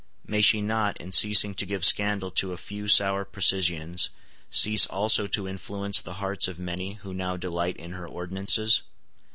May she not, in ceasing to give scandal to a few sour precisians, cease also to influence the hearts of many who now delight in her ordinances?